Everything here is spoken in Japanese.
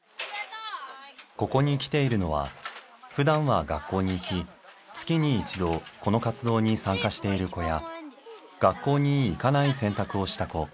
ここに来ているのは普段は学校に行き月に一度この活動に参加している子や学校に行かない選択をした子。